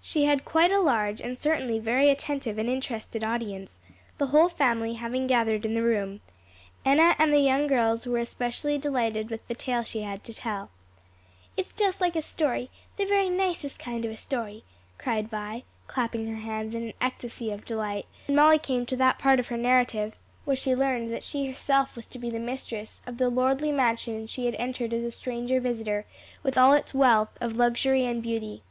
She had quite a large and certainly very attentive and interested audience, the whole family having gathered in the room. Enna and the young girls were especially delighted with the tale she had to tell. "It's just like a story the very nicest kind of a story!" cried Vi, clapping her hands in an ecstasy of delight when Molly came to that part of her narrative where she learned that she herself was to be the mistress of the lordly mansion she had entered as a stranger visitor, with all its wealth of luxury and beauty.